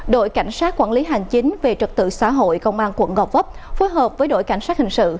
đội cảnh sát quản lý hành chính về trật tự xã hội công an quận gò vấp phối hợp với đội cảnh sát hình sự